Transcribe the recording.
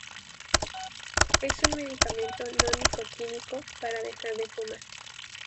Es un medicamento no nicotínico para dejar de fumar.